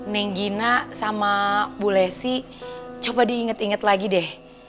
neng gina sama bu lesy coba diinget inget lagi deh